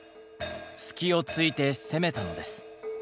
隙をついて攻めたのです。